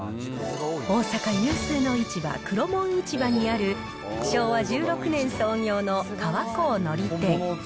大阪有数の市場、黒門市場にある、昭和１６年創業の河幸海苔店。